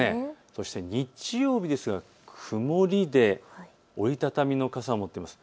そして日曜日ですが、曇りで折り畳みの傘を持っています。